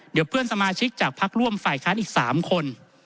เดี๋ยวเพื่อนสมาชิกจากพักร่วมฝ่ายค้านอีก๓คน